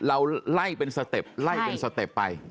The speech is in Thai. เราไล่เป็นสเต็ปไล่เป็นสเต็ปไป